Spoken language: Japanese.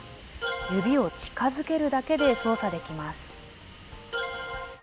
指を近づけるだけで操作できます。